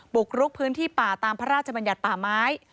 บุกรุกพื้นที่ป่าตามพระราชบัญญัติป่าไม้